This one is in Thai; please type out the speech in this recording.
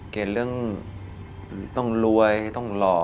เกณฑ์เรื่องต้องรวยต้องหล่อ